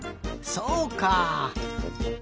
そうか。